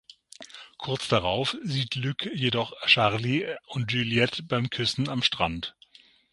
Kurz darauf sieht Luc jedoch Charlie und Juliette beim Küssen am Strand.